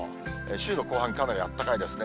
週の後半、かなりあったかいですね。